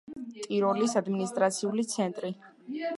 ტიროლის ადმინისტრაციული ცენტრი.